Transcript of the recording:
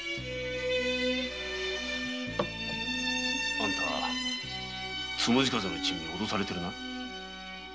あんた「つむじ風」の一味に脅されているな。